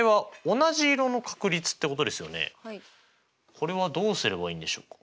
これはどうすればいいんでしょうか？